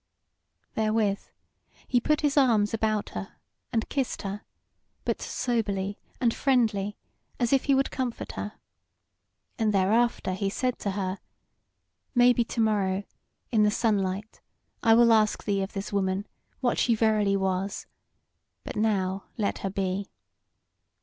'" Therewith he put his arms about her and kissed her, but soberly and friendly, as if he would comfort her. And thereafter he said to her: "Maybe to morrow, in the sunlight, I will ask thee of this woman, what she verily was; but now let her be.